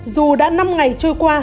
dù đã năm ngày trôi qua